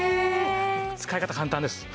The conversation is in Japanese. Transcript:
使い方簡単です。